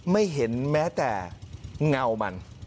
ไม่เห็นแม้แต่เงามัน